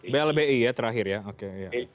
blbi ya terakhir ya oke